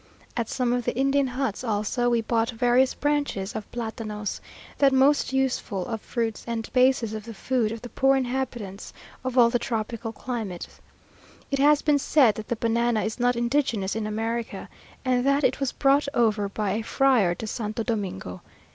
At some of the Indian huts also we bought various branches of plátanos, that most useful of fruits, and basis of the food of the poor inhabitants of all the tropical climates. It has been said that the banana is not indigenous in America, and that it was brought over by a friar to Santo Domingo.